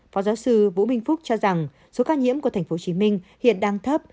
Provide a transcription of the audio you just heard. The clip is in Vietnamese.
phó giáo sư vũ minh phúc cho rằng số ca nhiễm của tp hcm hiện đang thấp